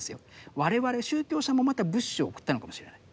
我々宗教者もまた物資を送ったのかもしれない。